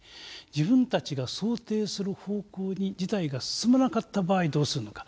自分たちが想定する方向に事態が進まなかった場合どうするのか。